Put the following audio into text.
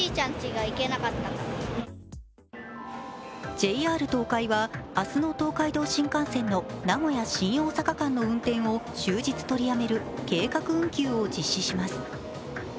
ＪＲ東海は、明日の東海道新幹線の名古屋−新大阪間の運転を終日取りやめる計画運休を実施します。